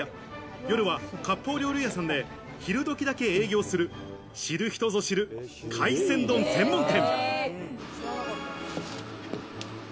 夜は割烹料理屋さんで昼時だけ営業する、知る人ぞ知る海鮮丼専門店。